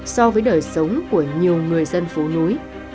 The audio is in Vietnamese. so với đời sống của nhiều người dân phố núi